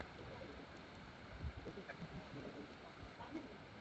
হয়তো এখন উনি ক্ষমা করে দিয়েছেন।